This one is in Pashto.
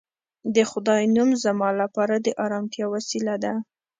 د خدای نوم زما لپاره د ارامتیا وسیله ده